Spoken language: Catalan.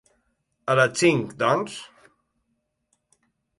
A les cinc doncs?